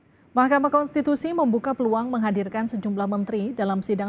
mahkamah konstitusi membuka peluang menghadirkan sejumlah menteri dalam sidang